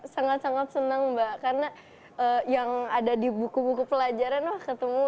sangat sangat senang mbak karena yang ada di buku buku pelajaran wah ketemu